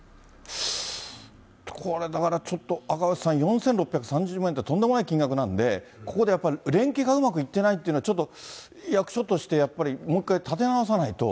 これ、だからちょっと、赤星さん、４６３０万円ってとんでもない金額なんで、ここで連携がうまくいってないっていうのは、ちょっと役所として、やっぱりもう一回立て直さないと。